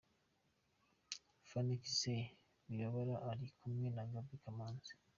Phanny Gisele Wibabara ari kumwe na Gaby Kamanzi.